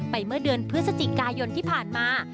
เมื่อเดือนพฤศจิกายนที่ผ่านมา